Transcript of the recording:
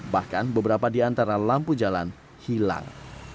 bahkan beberapa di antara lampu jalan hilang